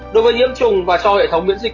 đối với nhiễm trùng và cho hệ thống miễn dịch